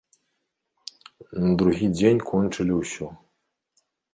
На другі дзень кончылі ўсё.